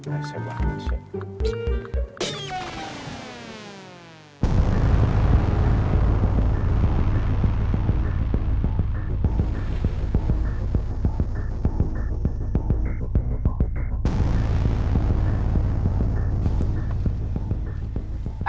asep banget sih